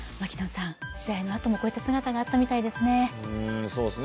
試合のあともこういった姿があったみたいですね。